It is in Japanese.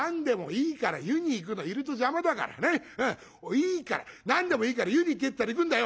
いいから何でもいいから湯に行けってったら行くんだよ。